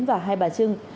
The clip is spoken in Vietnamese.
và hai bà trưng